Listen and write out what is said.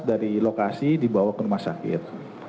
dari lokasi dibawa ke rumah sakit